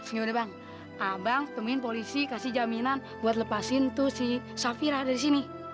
ini udah bang abang temuin polisi kasih jaminan buat lepasin tuh si safira dari sini